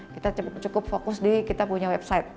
kita cukup fokus di kita punya website